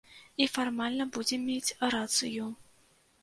І фармальна будзе мець рацыю.